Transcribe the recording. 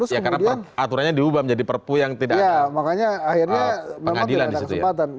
ya karena aturannya diubah menjadi perpu yang tidak akan pengadilan disitu ya